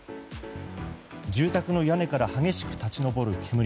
住宅の屋根から激しく立ち上る煙。